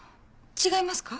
違いますか？